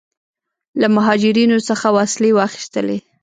له مهاجرینو څخه وسلې واخیستلې.